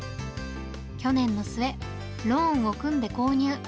去年の末、ローンを組んで購入。